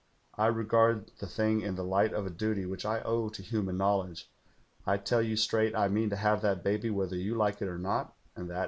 I regard the thing in the light of a duty which I owe to human knowledge. I tell you straight, I mean to have that baby whether you like it or not, and that is flat.'